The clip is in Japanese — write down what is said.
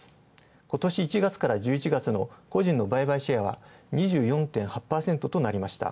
今年１月から１１月の個人の売買シェアが２４．８％となりました。